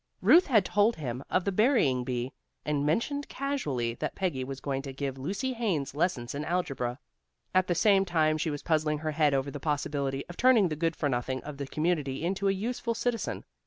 Ruth had told him of the berrying bee, and mentioned casually that Peggy was going to give Lucy Haines lessons in algebra. At the same time she was puzzling her head over the possibility of turning the good for nothing of the community into a useful citizen.